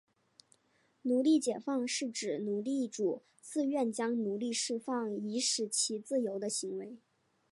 奴隶解放是指奴隶主自愿将奴隶释放以使其自由的行为。